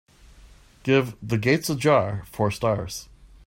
Give The Gates Ajar four stars